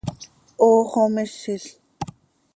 ¡Hoox oo mizil!